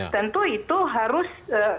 tentu itu harus